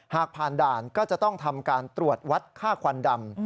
หากผ่านด่านก็จะต้องทำการตรวจวัดค่าควันดำ